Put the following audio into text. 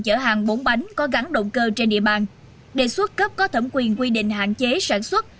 chở hàng bốn bánh có gắn động cơ trên địa bàn đề xuất cấp có thẩm quyền quy định hạn chế sản xuất